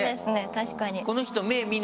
確かに。